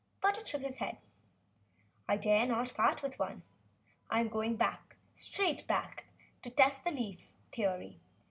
Burton shook his head. "I dare not part with one. I am going straight back to test the leaf theory.